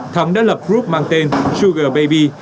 thắng đã lập group mang tên sugar baby